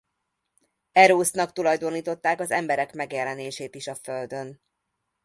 Erósznak tulajdonították az emberek megjelenését is a földön.